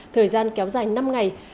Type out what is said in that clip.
thời gian kéo dài năm ngày